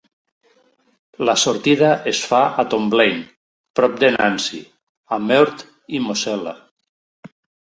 La sortida es fa a Tomblaine, prop de Nancy, a Meurthe i Mosel·la.